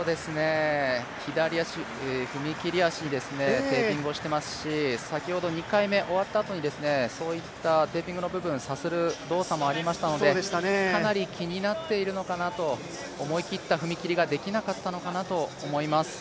左足、踏み切り足をテーピングをしていますし先ほど２回目終わったあとにそういったテーピングの部分さする動作もありましたのでかなり気になっているのかなと思い切って踏み切りができなかったのかなと思います。